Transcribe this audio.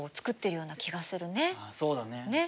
あそうだね。